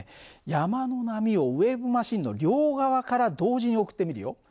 山の波をウェーブマシンの両側から同時に送ってみるよ。